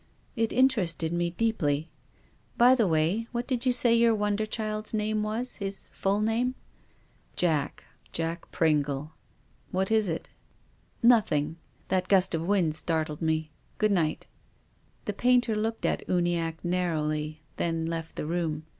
^' "It interested me deeply. By the way — what did you say your wonder child's name was, his full name ?"" Jack— Jack Pringle. What is it ?"" Nothing. That gust of wind startled me. Good night." The painter looked at Uniacke narrowly, then left the room.